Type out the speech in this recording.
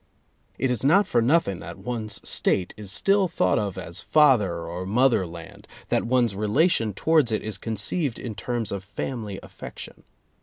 It is not for nothing that one's State is still thought of as Father or Motherland, that one's relation towards it is conceived in terms of family affection.